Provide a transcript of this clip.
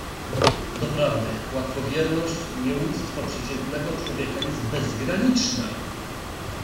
"Doprawdy łatwowierność i nieuctwo przeciętnego człowieka jest bezgraniczne."